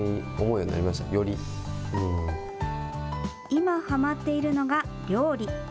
今、はまっているのが料理。